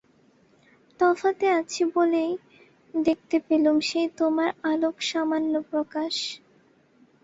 তফাতে আছি বলেই দেখতে পেলুম সেই তোমার অলোকসামান্য প্রকাশ।